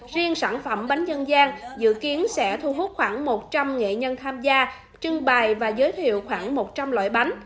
riêng sản phẩm bánh dân gian dự kiến sẽ thu hút khoảng một trăm linh nghệ nhân tham gia trưng bày và giới thiệu khoảng một trăm linh loại bánh